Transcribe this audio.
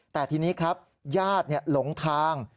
แต่ทีนี้ครับญาติหลงทาง